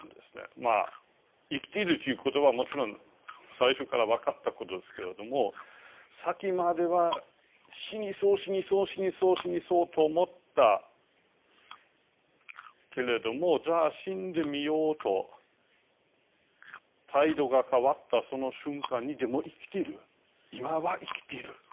まあ生きているということはもちろん最初から分かったことですけれどもさっきまでは死にそう死にそう死にそう死にそうと思ったけれどもじゃあ死んでみようと態度が変わったその瞬間にでも生きている今は生きている。